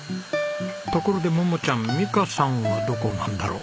ところで桃ちゃん美香さんはどこなんだろう？